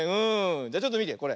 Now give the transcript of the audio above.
じゃちょっとみてこれ。